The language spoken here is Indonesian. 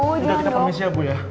enggak kita permisi ya bu ya